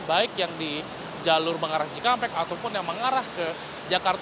baik yang di jalur mengarah cikampek ataupun yang mengarah ke jakarta